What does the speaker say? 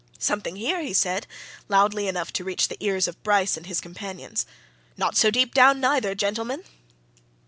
"Something here!" he said, loudly enough to reach the ears of Bryce and his companions. "Not so deep down, neither, gentlemen!"